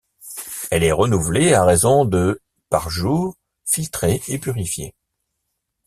Elle est renouvelée à raison de par jour, filtrée et purifiée.